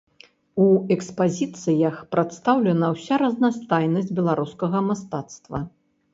У экспазіцыях прадстаўлена ўся разнастайнасць беларускага мастацтва.